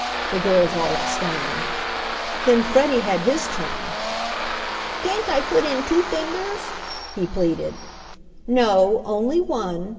the girls all exclaimed. Then Freddie had his turn. "Can't I put in two fingers?" he pleaded. "No; only one!"